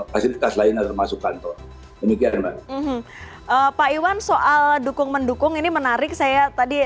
fasilitas lainnya termasuk kantor demikian mbak pak iwan soal dukung mendukung ini menarik saya tadi